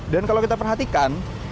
dan kalau kita perhatikan